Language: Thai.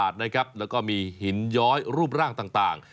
มีสีขาวสะอาดนะครับแล้วก็มีหินย้อยรูปร่างต่าง